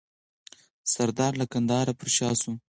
سردار له کندهار پر شا سو.